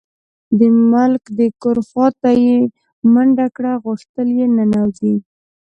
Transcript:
د ملک د کور خواته یې منډه کړه، غوښتل یې ننوځي.